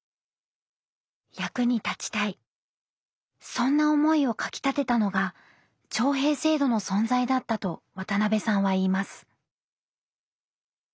そんな思いをかきたてたのが徴兵制度の存在だったと渡辺さんは言います。